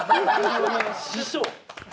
師匠。